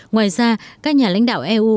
ngoài ra các nhà lãnh đạo eu